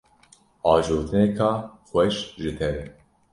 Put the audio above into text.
Ajotineka xweş ji te re!